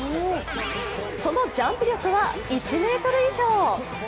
そのジャンプ力は１ｍ以上。